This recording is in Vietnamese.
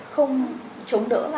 không chống đỡ